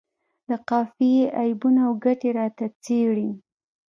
د قافیې عیبونه او ګټې راته څیړي.